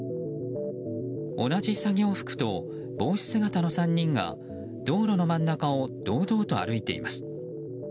同じ作業服と帽子姿の３人が道路の真ん中を堂々と歩いています。